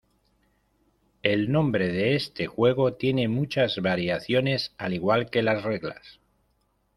El nombre de este juego tiene muchas variaciones, al igual que las reglas.